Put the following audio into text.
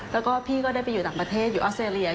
แล้วก็พี่ก็ได้ไปอยู่ต่างประเทศอยู่ออสเตรเลีย